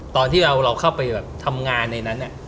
ตอนที่เราเข้าไปแบบทำงานในนั้น